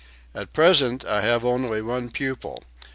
"At present I have only one pupil....